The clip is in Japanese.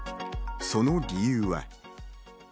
その理由は。